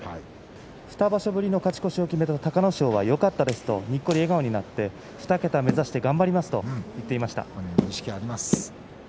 ２場所ぶりの勝ち越しを決めた隆の勝はよかったです、とにっこり笑って２桁の勝ち星を目指しますと話していました。